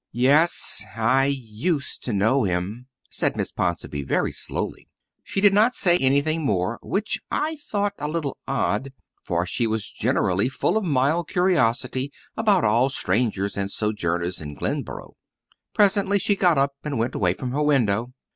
"Yes, I used to know him," said Miss Ponsonby very slowly. She did not say anything more, which I thought a little odd, for she was generally full of mild curiosity about all strangers and sojourners in Glenboro. Presently she got up and went away from her window.